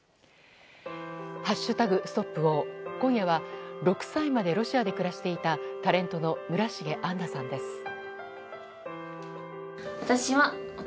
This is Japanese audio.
今夜は６歳までロシアで暮らしていたタレントの村重杏奈さんです。